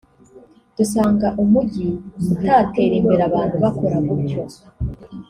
dusanga umujyi utatera imbere abantu bakora gutyo